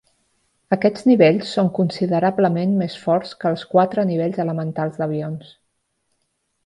Aquests nivells són considerablement més forts que els quatre nivells elementals d'avions.